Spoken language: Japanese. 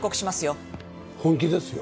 本気ですよ。